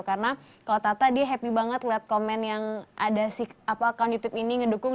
karena kalo tata dia happy banget liat komen yang ada si account youtube ini ngedukung